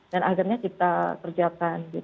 dan agar kita kerjakan